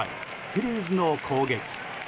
フィリーズの攻撃。